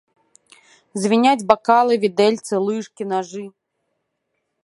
Звіняць бакалы, відэльцы, лыжкі, нажы.